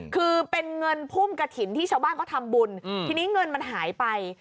คือเป็นเงินพุ่มกระถิ่นที่ชาวบ้านเขาทำบุญทีนี้เงินมันหายไป